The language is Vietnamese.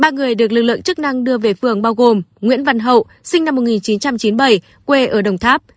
ba người được lực lượng chức năng đưa về phường bao gồm nguyễn văn hậu sinh năm một nghìn chín trăm chín mươi bảy quê ở đồng tháp